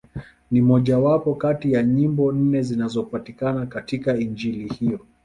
Ni mmojawapo kati ya nyimbo nne zinazopatikana katika Injili hiyo.